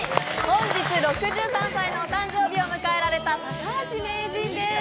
本日６３歳のお誕生日を迎えられた高橋名人です。